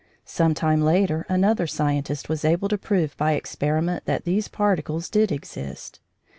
Some time later another scientist was able to prove by experiment that these particles did exist.